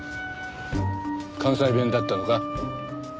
関西弁だったのか？